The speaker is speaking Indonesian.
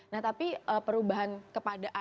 nah tapi perubahan kepada